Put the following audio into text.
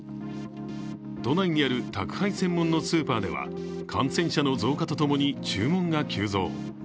都内にある宅配専門のスーパーでは感染者の増加とともに注文が急増。